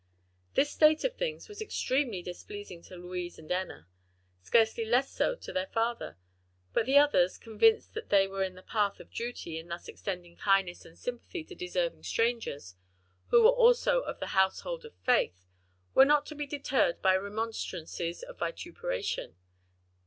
This state of things was extremely displeasing to Louise and Enna; scarcely less so to their father; but the others, convinced that they were in the path of duty in thus extending kindness and sympathy to deserving strangers, who were also "of the household of faith," were not to be deterred by remonstrances or vituperation.